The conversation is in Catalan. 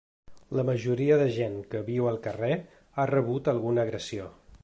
La majoria de gent que viu al carrer ha rebut alguna agressió.